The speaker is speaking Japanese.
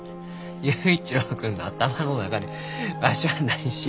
佑一郎君の頭の中でわしは何しゆうがじゃ？